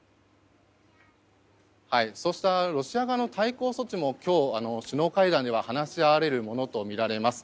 そうしたロシア側の対抗措置も、今日の首脳会談では話し合われるものとみられます。